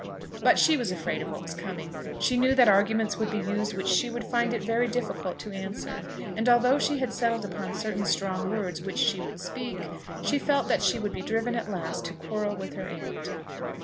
But she was afraid of what was coming. She knew that arguments would be used which she would find it very difficult to answer; and, although she had settled upon certain strong words which she would speak, she felt that she would be driven at last to quarrel with her aunt.